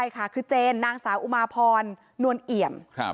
ใช่ค่ะคือเจนนางสาวอุมาพรนวลเอี่ยม